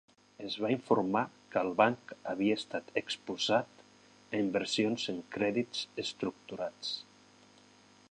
Es va informar que el banc havia estat exposat a inversions en crèdits estructurats.